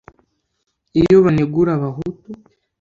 iyo banegura abahutu